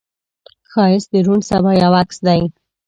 ښایست د روڼ سبا یو عکس دی